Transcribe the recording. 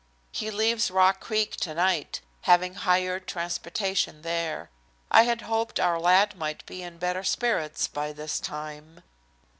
"He leaves Rock Creek to night, having hired transportation there. I had hoped our lad might be in better spirits by this time."